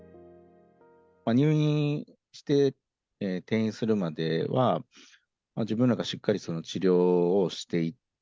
入院して転院するまでは、自分らがしっかり治療をしていって、